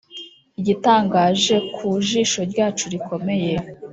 igitangaje ku jisho ryacu rikomeye,